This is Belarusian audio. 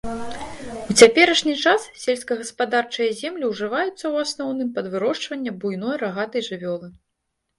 У цяперашні час сельскагаспадарчыя землі ўжываюцца ў асноўным пад вырошчванне буйной рагатай жывёлы.